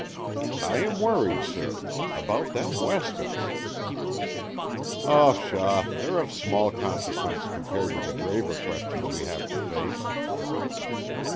"I am worried, sir. About them weskits." "Oh, pshaw, they're of small consequence compared to the graver questions we have to face."